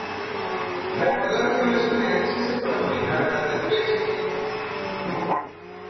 Recordar que no es un ejercicio para manejar grandes pesos.